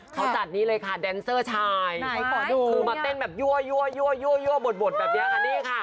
เขาจัดนี่เลยค่ะแดนเซอร์ชายขอดูคือมาเต้นแบบยั่วยั่วยั่วบดแบบนี้ค่ะนี่ค่ะ